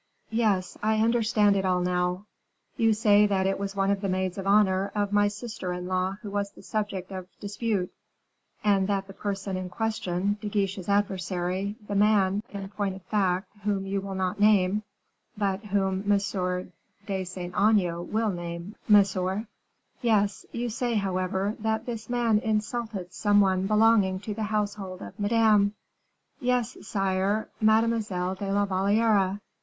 "Yes, I understand it all now. You say that it was one of the maids of honor of my sister in law who was the subject of dispute, and that the person in question, De Guiche's adversary, the man, in point of fact, whom you will not name " "But whom M. de Saint Aignan will name, monsieur." "Yes, you say, however, that this man insulted some one belonging to the household of Madame." "Yes, sire. Mademoiselle de la Valliere."